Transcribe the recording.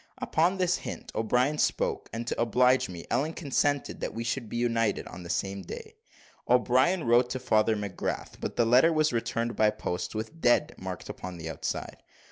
Upon this hint O'Brien spake; and to oblige me, Ellen consented that we should be united on the same day. O'Brien wrote to Father McGrath; but the letter was returned by post, with "dead" marked upon the outside.